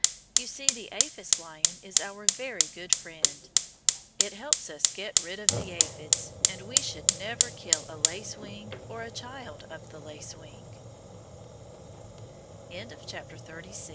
You see the aphis lion is our very good friend. It helps us get rid of the aphids, and we should never kill a lacewing or a child of the lacewi